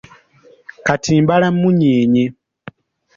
Kati mbala mmunyeenye.